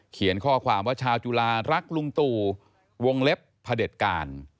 เขียนข้อความว่าชาวจุฬารักลุงตู่วงเล็บพระเด็จการ